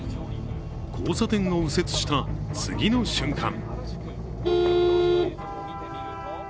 交差点を右折した次の瞬間